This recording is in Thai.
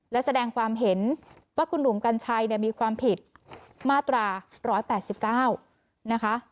และแสดงความเห็นว่าคุณหนุ่มกัญชัยเนี้ยมีความผิดมาตราร้อยแปดสิบเก้านะคะ